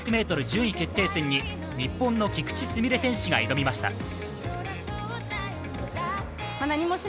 順位決定戦に日本の菊池純礼選手が挑みました。